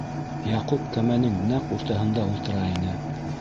Яҡуп кәмәнең нәҡ уртаһында ултыра ине.